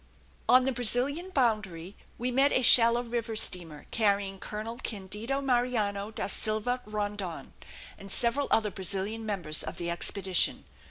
On the Brazilian boundary we met a shallow river steamer carrying Colonel Candido Mariano da Silva Rondon and several other Brazilian members of the expedition.